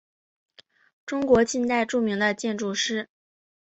中国近代著名的建筑师。